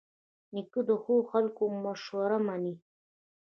نیکه د ښو خلکو مشوره منې.